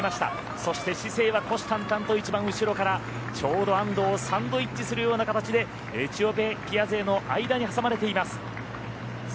そしてシセイは虎視眈々と一番後ろからちょうど安藤をサンドイッチするような形でエチオピア勢の間に挟まれています。